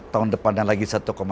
tahun depannya lagi satu lima